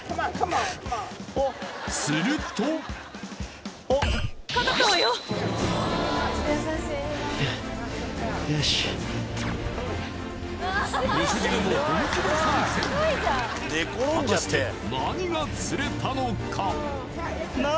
するとおっよしで参戦果たして何が釣れたのか？